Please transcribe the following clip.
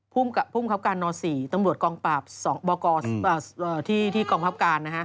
ภูมิครับการน๔ตรวจกองปราบบกที่กองพับการ